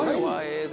はい。